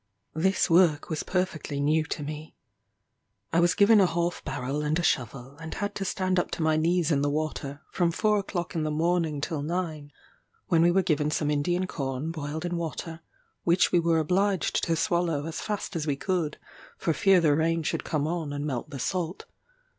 This work was perfectly new to me. I was given a half barrel and a shovel, and had to stand up to my knees in the water, from four o'clock in the morning till nine, when we were given some Indian corn boiled in water, which we were obliged to swallow as fast as we could for fear the rain should come on and melt the salt.